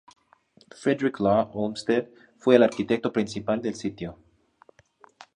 Frederick Law Olmsted fue el arquitecto principal del sitio.